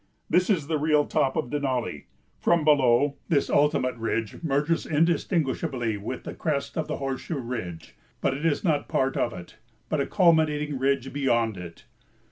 This is the real top of Denali. From below, this ultimate ridge merges indistinguishably with the crest of the horseshoe ridge, but it is not a part of it but a culminating ridge beyond it.